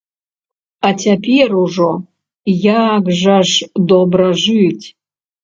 А цяпер ужо як жа ж добра жыць!